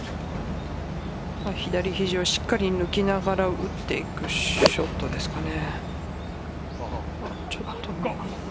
左肘をしっかり抜きながら打っていくショットですかね。